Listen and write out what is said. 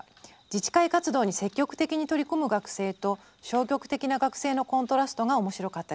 「自治会活動に積極的に取り組む学生と消極的な学生のコントラストが面白かったです。